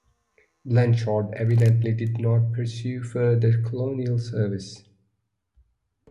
Blanshard evidently did not pursue further colonial service.